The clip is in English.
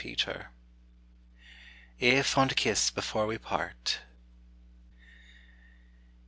AE FOND KISS BEFORE WE PART.